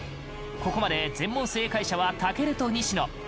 ここまで全問正解者は健と西野。